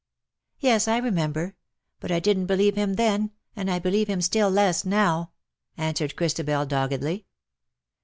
''" Yes, I remember ; but I didn't believe him then, and I believe him still less now," answered Christabel, doggedly.